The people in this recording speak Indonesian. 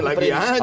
dilaporkan lagi aja